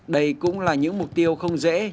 đây cũng là những mục tiêu không dễ